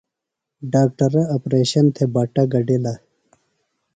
ڈاکٹرہ اپریشن تھےۡ بٹہ گڈِلہ۔